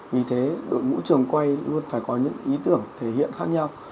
vì thế đội ngũ trường quay luôn phải có những ý tưởng thể hiện khác nhau